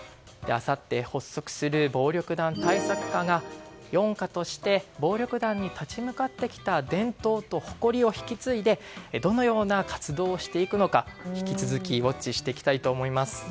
あさって発足する暴力団対策課が４課として暴力団に立ち向かってきた伝統と誇りを引き継いでどのように活動していくのか引き続きウォッチしていきたいと思います。